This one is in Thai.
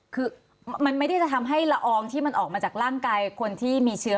คือมันไม่ได้จะทำให้ละอองที่มันออกมาจากร่างกายคนที่มีเชื้อ